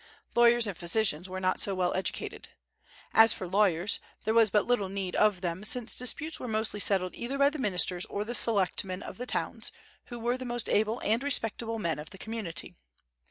Lawyers and physicians were not so well educated. As for lawyers, there was but little need of them, since disputes were mostly settled either by the ministers or the selectmen of the towns, who were the most able and respectable men of the community.